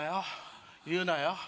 言うなよ